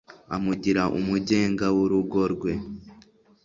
Amugira umugenga w’urugo rwe